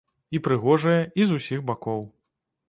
І прыгожая, і з усіх бакоў.